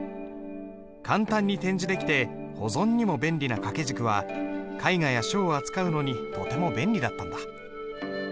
簡単に展示できて保存にも便利な掛軸は絵画や書を扱うのにとても便利だったんだ。